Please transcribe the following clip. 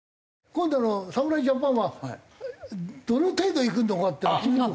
今度の侍ジャパンはどの程度いくのかっていうの聞いてみよう。